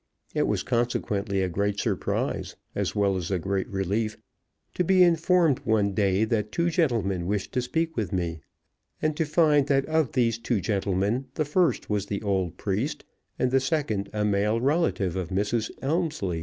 It was consequently a great surprise, as well as a great relief, to be informed one day that two gentlemen wished to speak with me, and to find that of these two gentlemen the first was the old priest, and the second a male relative of Mrs. Elmslie.